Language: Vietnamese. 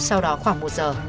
sau đó khoảng một h